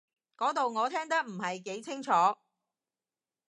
嗰度我聽得唔係幾清楚